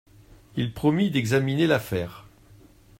Il promit d'examiner l'affaire.